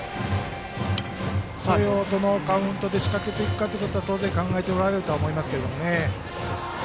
それを、どのカウントで仕掛けていくかは当然考えておられると思います。